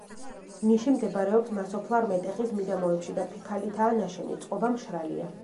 ნიში მდებარეობს ნასოფლარ მეტეხის მიდამოებში და ფიქალითაა ნაშენი, წყობა მშრალია.